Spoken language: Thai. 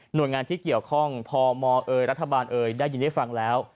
โดยงานที่เกี่ยวข้องพมเอยรัฐบาลเอ่ยได้ยินได้ฟังแล้ว